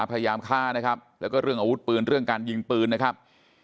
พยายามฆ่านะครับแล้วก็เรื่องอาวุธปืนเรื่องการยิงปืนนะครับ